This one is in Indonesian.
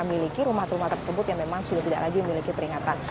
memiliki rumah rumah tersebut yang memang sudah tidak lagi memiliki peringatan